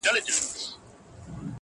ژوند چي د عقل په ښکلا باندې راوښويدی